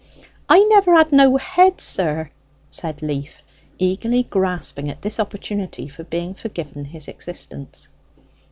"I never had no head, sir," said Leaf, eagerly grasping at this opportunity for being forgiven his existence.